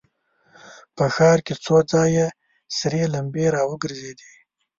په ښار کې څو ځايه سرې لمبې را وګرځېدې.